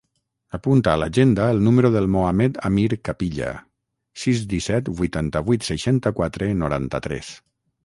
Apunta a l'agenda el número del Mohamed amir Capilla: sis, disset, vuitanta-vuit, seixanta-quatre, noranta-tres.